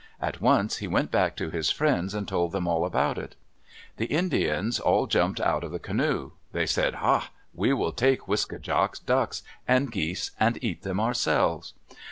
At once he went back to his friends and told them all about it. The Indians all jumped out of the canoe. They said, "Ha! We will take Wiske djak's ducks and geese and eat them ourselves."